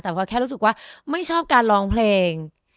แต่พอแค่รู้สึกว่าไม่ชอบการร้องเพลง